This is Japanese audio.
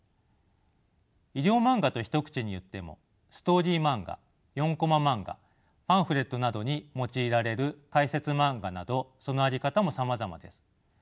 医療マンガと一口に言ってもストーリーマンガ四コママンガパンフレットなどに用いられる解説マンガなどその在り方もさまざまです。